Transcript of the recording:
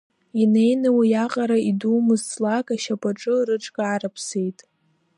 Инеины, уиаҟара идумыз ҵлак ашьапаҿы рыҽкарыԥсеит.